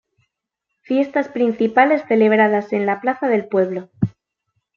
Fiestas principales celebradas en la plaza del pueblo.